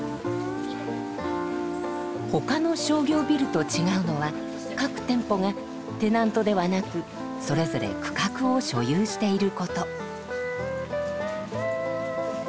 他の商業ビルと違うのは各店舗がテナントではなくそれぞれ区画を所有していること。